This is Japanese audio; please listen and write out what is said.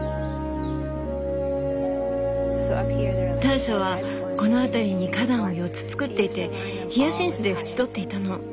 ターシャはこの辺りに花壇を４つ造っていてヒヤシンスで縁取っていたの。